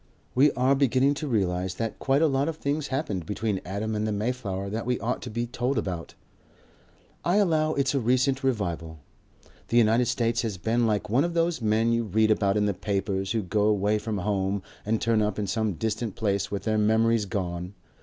We are beginning to realize that quite a lot of things happened between Adam and the Mayflower that we ought to be told about. I allow it's a recent revival. The United States has been like one of those men you read about in the papers who go away from home and turn up in some distant place with their memories gone.